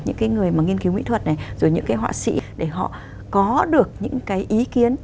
những cái người mà nghiên cứu mỹ thuật này rồi những cái họa sĩ để họ có được những cái ý kiến